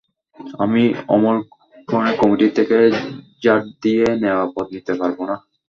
আমি অমন করে কমিটি থেকে ঝাঁট দিয়ে নেওয়া পদ নিতে পারব না।